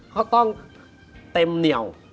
เขาต้องเต็มเหนียว